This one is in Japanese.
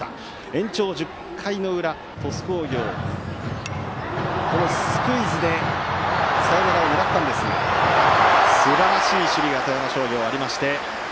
延長１０回の裏、鳥栖工業はスクイズでサヨナラを狙ったんですがすばらしい守備が富山商業にありました。